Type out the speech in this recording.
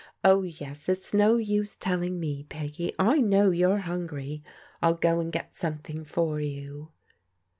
Oh, yes, it's no use telling me, Ptggy, I know you're hungry. Ill go and get something for you."